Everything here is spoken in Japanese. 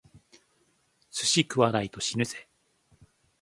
寿司を食わないと死ぬぜ！